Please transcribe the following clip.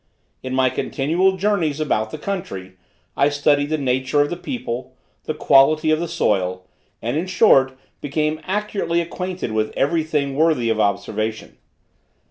In my continual journeys about the country, I studied the nature of the people, the quality of the soil; and, in short, became accurately acquainted with every thing worthy of observation.